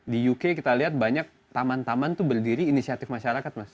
di uk kita lihat banyak taman taman itu berdiri inisiatif masyarakat mas